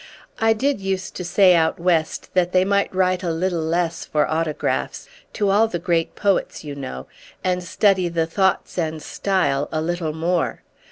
"I did use to say out West that they might write a little less for autographs—to all the great poets, you know—and study the thoughts and style a little more."